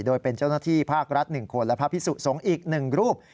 โดยเป็นเจ้าหน้าที่ภาครัฐ๑คนและพระพิสุสงฆ์อีก๑รูป